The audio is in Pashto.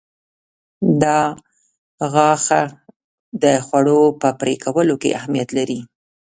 دا غاښه د خوړو په پرې کولو کې اهمیت لري.